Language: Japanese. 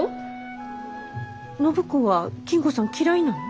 暢子は金吾さん嫌いなの？